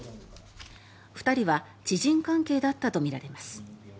２人は知人関係だったとみられます。